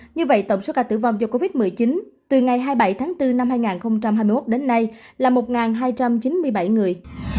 như vậy tổng số ca tử vong do covid một mươi chín từ ngày hai mươi bảy tháng bốn năm hai nghìn hai mươi một đến nay là một hai trăm chín mươi bảy người